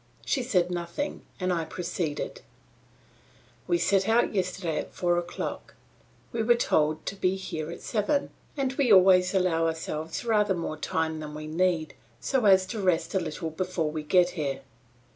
She said nothing and I proceeded "We set out yesterday at four o'clock; we were told to be here at seven, and we always allow ourselves rather more time than we need, so as to rest a little before we get here.